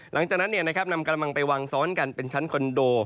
หลังจากนั้นนำกระมังไปวางซ้อนกันเป็นชั้นคอนโด